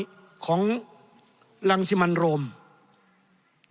ดูการใช้งบของท่านนายกกองบินตำรวจใช้งบประจำก้าว